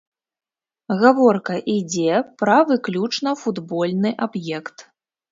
Гаворка ідзе пра выключна футбольны аб'ект.